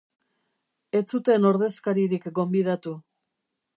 Ez zuten ordezkaririk gonbidatu.